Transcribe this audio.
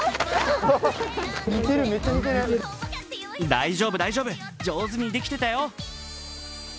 大丈夫、大丈夫、上手にできてたよ。